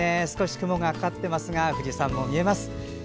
少し雲がかかってますが富士山も見えます。